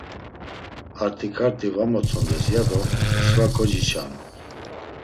Art̆iǩart̆i va motzondes ya do msva kociçanu.